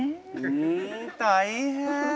うん大変。